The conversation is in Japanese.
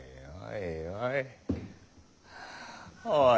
おいおい